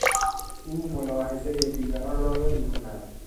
او ملاحظهی دیگران را نمیکند.